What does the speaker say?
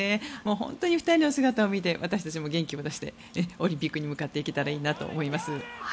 本当に２人の姿も見て私たちも元気を出してオリンピックに向かっていけたらいいなと思います。